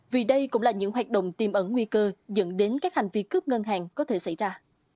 vì đây cũng là những hoạt động tiềm ẩn nguy cơ dẫn đến các hành vi cướp ngân hàng có thể xảy ra